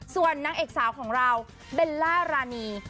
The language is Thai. ส่วนนางเอกสาวของเราเบลล่ารานี